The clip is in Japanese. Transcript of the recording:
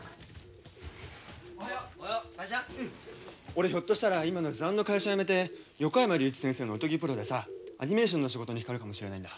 俺ひょっとしたら今の図案の会社辞めて横山隆一先生のおとぎプロでさアニメーションの仕事にかかるかもしれないんだ。